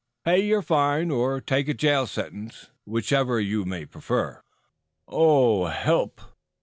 Pay your fine or take a jail sentence, whichever you may prefer." "Oh, help!"